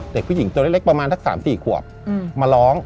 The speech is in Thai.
เด็กผู้หญิงตัวเล็กประมาณสัก๓๔ขวบมาร้อง